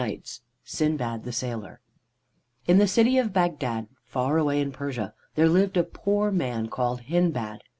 III SINDBAD THE SAILOR In the city of Bagdad, far away in Persia, there lived a poor man called Hindbad.